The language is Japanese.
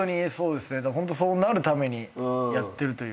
そうなるためにやってるというか。